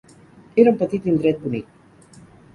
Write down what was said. Era un petit indret bonic.